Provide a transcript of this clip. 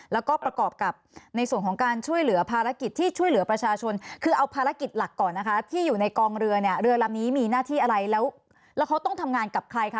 แล้วก็ประกอบกับในส่วนของการช่วยเหลือภารกิจที่ช่วยเหลือประชาชนคือเอาภารกิจหลักก่อนนะคะที่อยู่ในกองเรือเนี่ยเรือลำนี้มีหน้าที่อะไรแล้วเขาต้องทำงานกับใครคะ